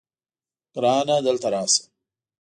ګرانه دلته راشه